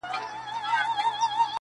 درد هېڅکله بشپړ نه ختمېږي تل,